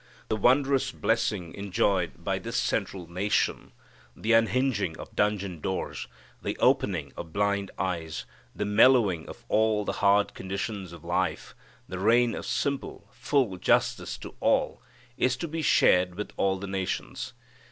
The wondrous blessing enjoyed by this central nation, the unhingeing of dungeon doors, the opening of blind eyes, the mellowing of all the hard conditions of life, the reign of simple, full justice to all, is to be shared with all the nations.